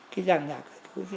cái dạng nhạc